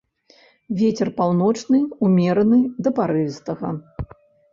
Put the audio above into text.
Вецер паўночны ўмераны да парывістага.